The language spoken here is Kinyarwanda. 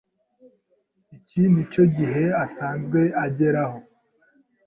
Iki nicyo gihe asanzwe ageraho.